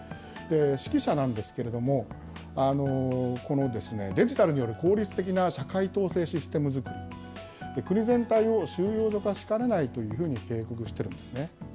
識者なんですけれども、このデジタルによる効率的な社会統制システム作り、国全体を収容所化しかねないというふうに警告しているんですね。